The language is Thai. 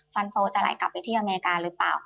ฟันโซจะไหลกลับไปที่อเมริกาหรือเปล่า